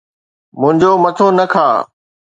منھنجو مٿو نہ کاءُ